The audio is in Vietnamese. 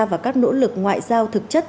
vào các nỗ lực ngoại giao thực chất